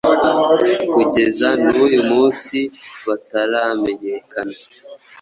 kugeza n’uyu munsi bataramenyekana,